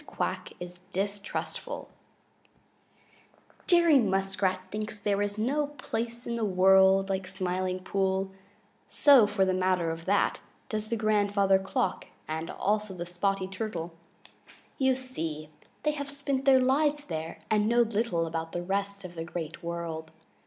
QUACK IS DISTRUSTFUL Jerry Muskrat thinks there is no place in the world like the Smiling Pool. So, for the matter of that, does Grandfather Frog and also Spotty the Turtle. You see, they have spent their lives there and know little about the rest of the Great World.